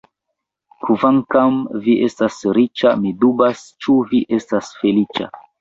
Kvankam vi estas riĉa, mi dubas, ĉu vi estas feliĉa.